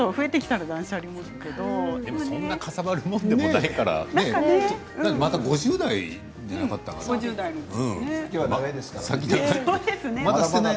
そんなにかさばるものでもないからまだ５０代じゃなかったかな。